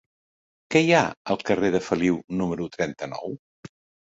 Què hi ha al carrer de Feliu número trenta-nou?